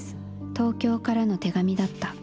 「東京からの手紙だった」。